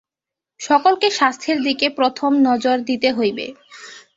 সকলকে স্বাস্থ্যের দিকে প্রথম নজর দিতে হইবে।